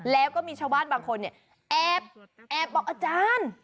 แล้วก็มีชาวบ้านบางคนเนี่ยแอบบอกอาจารย์